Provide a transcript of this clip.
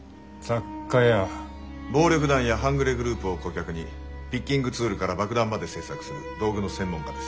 暴力団や半グレグループを顧客にピッキングツールから爆弾まで製作する道具の専門家です。